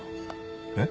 えっ？